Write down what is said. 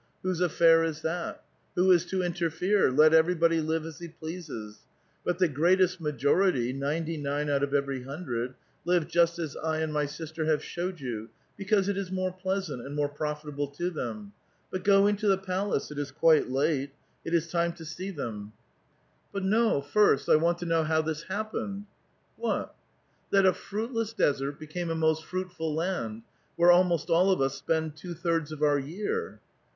Whose affair is that? Who is to interfere? Let everybody live as he pleases ; but the greatest majority, ninety nine out of every hundred, live just as I and my sis ter have showed you, because it is more pleasant, and more profitable to them. But go into the palace ; it is quite late ; it is time to see them." 884 A VITAL QUESTION. .;*' But no, firei I want to know how this happened. '*What?" *' That a fruitless desert became a most fruitful land, where almost all of us spend two thirds of our year."